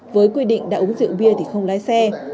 với quy định đã uống rượu bia thì không lái xe